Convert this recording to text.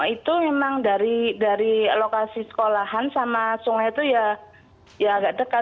itu memang dari lokasi sekolahan sama sungai itu ya agak dekat